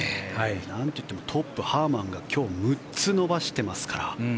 なんといってもトップのハーマンが今日、６つ伸ばしてますから。